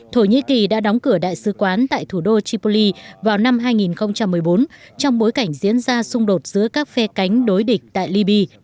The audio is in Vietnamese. thổ nhĩ kỳ đã đóng cửa đại sứ quán tại thủ đô tripoli vào năm hai nghìn một mươi bốn trong bối cảnh diễn ra xung đột giữa các phe cánh đối địch tại libya